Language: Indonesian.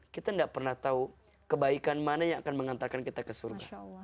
kita tidak pernah tahu kebaikan mana yang akan mengantarkan kita ke surga